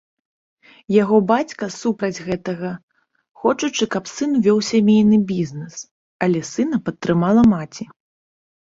Яго бацька супраць гэтага, хочучы, каб сын вёў сямейны бізнес, але сына падтрымала маці.